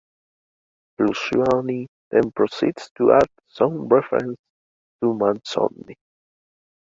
Luciani then proceeds to add some references to Manzoni.